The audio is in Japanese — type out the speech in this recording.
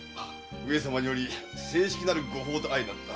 上様により正式なる御法と相なった。